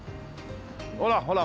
ほらほら